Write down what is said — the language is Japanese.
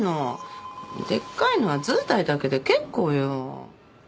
でっかいのは図体だけで結構よ。